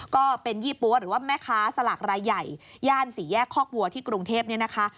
ก็เป็นยี่ปั๊วหรือว่าแม่ค้าสลากรายใหญ่ย่านสี่แยกคอกวัวที่กรุงเทพเนี่ยนะคะ